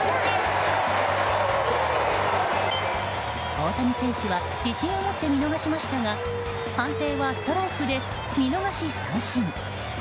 大谷選手は自信を持って見逃しましたが判定はストライクで見逃し三振。